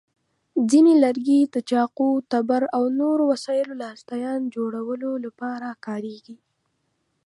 ځینې لرګي د چاقو، تبر، او نورو وسایلو لاستیان جوړولو لپاره کارېږي.